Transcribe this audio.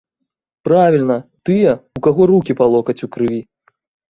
Правільна, тыя, у каго рукі па локаць у крыві.